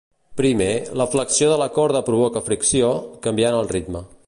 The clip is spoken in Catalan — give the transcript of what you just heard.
Primer, la flexió de la corda provoca fricció, canviant el ritme.